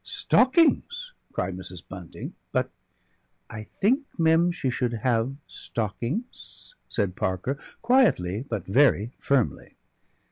"Stockings!" cried Mrs. Bunting. "But !" "I think, Mem, she should have stockings," said Parker, quietly but very firmly.